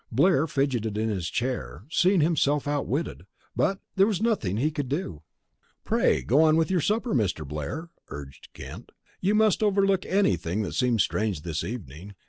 Blair fidgeted in his chair, seeing himself outwitted, but there was nothing he could do. "Pray go on with your supper, Mr. Blair," urged Kent. "You must overlook anything that seems strange this evening.